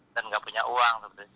dan tidak punya uang